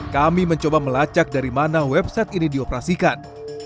kami mencoba melacak dari mana website ini dioperasikan